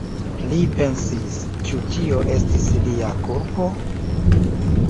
Li pensis: „Ĉu tio estis lia kulpo?“